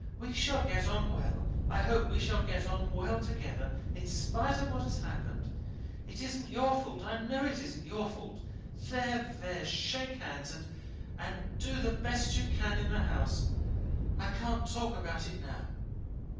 We shall get on well I hope we shall get on well together in spite of what has happened. It isn't your fault; I know it isn't your fault. There! there! shake hands; and and do the best you can in the house I can't talk about it now."